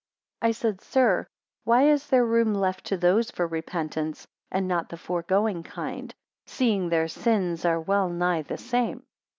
184 I said, air, why is there room left to those for repentance, and not to the foregoing kind, seeing their sins are well nigh the same?